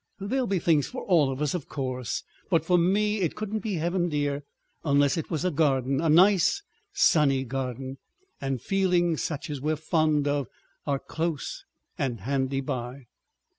"There'll be things for all of us, o' course. But for me it couldn't be Heaven, dear, unless it was a garden—a nice sunny garden. ... And feeling such as we're fond of, are close and handy by."